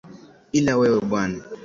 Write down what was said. Ila wewe bwana